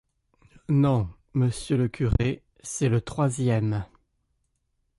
Non, monsieur le curé, c’est le troisième.